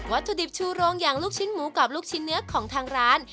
ถุดิบชูโรงอย่างลูกชิ้นหมูกับลูกชิ้นเนื้อของทางร้าน